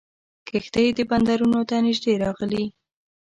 کښتۍ بندرونو ته نیژدې راغلې.